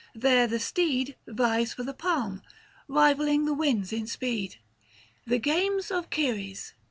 There the steed Vies for the palm, rivalling the winds in speed. 440 The games of Ceres